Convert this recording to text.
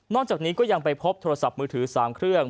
จากนี้ก็ยังไปพบโทรศัพท์มือถือ๓เครื่อง